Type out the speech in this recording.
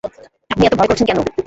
আপনি এত ভয় করছেন কেন।